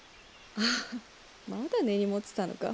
ああまだ根に持ってたのか？